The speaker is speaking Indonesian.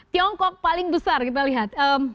tiongkok paling besar kita lihat